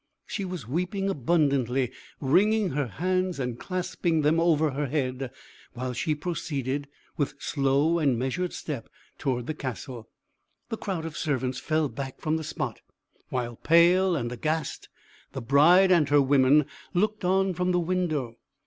She was weeping abundantly, wringing her hands and clasping them over her head, while she proceeded with slow and measured step toward the castle. The crowd of servants fell back from the spot; while, pale and aghast, the bride and her women looked on from the window.